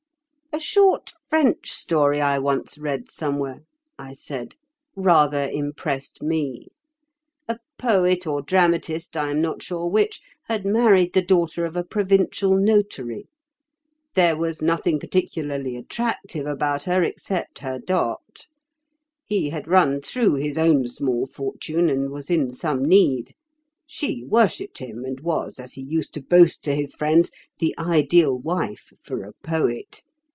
"A short French story I once read somewhere," I said, "rather impressed me. A poet or dramatist—I am not sure which—had married the daughter of a provincial notary. There was nothing particularly attractive about her except her dot. He had run through his own small fortune and was in some need. She worshipped him and was, as he used to boast to his friends, the ideal wife for a poet.